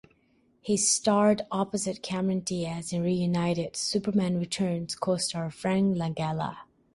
He starred opposite Cameron Diaz and reunited with "Superman Returns" co-star Frank Langella.